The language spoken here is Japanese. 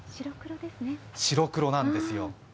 白黒なんですよ。